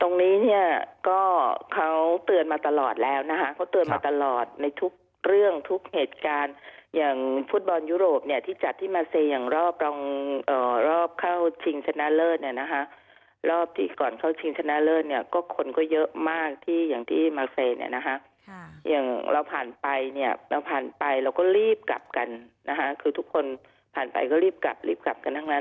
ตรงนี้เนี่ยก็เขาเตือนมาตลอดแล้วนะคะเขาเตือนมาตลอดในทุกเรื่องทุกเหตุการณ์อย่างฟุตบอลยุโรปเนี่ยที่จัดที่มาเซอย่างรอบรองรอบเข้าชิงชนะเลิศเนี่ยนะคะรอบปีก่อนเข้าชิงชนะเลิศเนี่ยก็คนก็เยอะมากที่อย่างที่มาเฟย์เนี่ยนะคะอย่างเราผ่านไปเนี่ยเราผ่านไปเราก็รีบกลับกันนะคะคือทุกคนผ่านไปก็รีบกลับรีบกลับกันทั้งนั้น